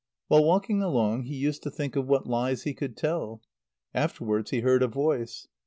While walking along he used to think of what lies he could tell. Afterwards he heard a voice.